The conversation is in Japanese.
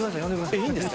いいんですか？